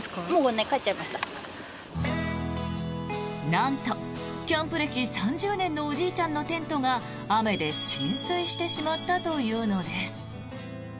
なんと、キャンプ歴３０年のおじいちゃんのテントが雨で浸水してしまったというのです。